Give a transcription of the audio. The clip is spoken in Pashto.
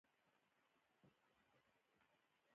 ازادي راډیو د طبیعي پېښې په اړه د نقدي نظرونو کوربه وه.